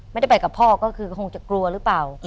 ไม่ได้ไปกับพ่อก็คือคงจะกลัวหรือเปล่า